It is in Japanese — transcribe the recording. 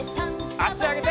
あしあげて。